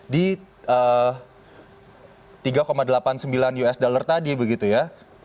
di tiga delapan puluh sembilan usd tadi begitu ya